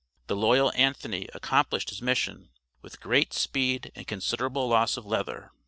The loyal Anthony accomplished his mission with great speed and considerable loss of leather.